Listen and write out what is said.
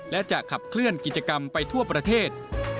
และจะขับเคลื่อนกิจกรรมไปทั่วประเทศ